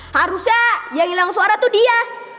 harusnya yang hilang suara tuh dia